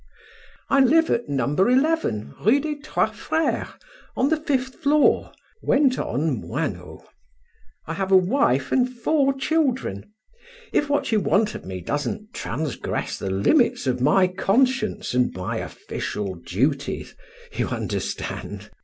"I live at No. 11, Rue des Trois Freres, on the fifth floor," went on Moinot; "I have a wife and four children. If what you want of me doesn't transgress the limits of my conscience and my official duties, you understand!